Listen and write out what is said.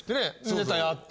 ネタやって。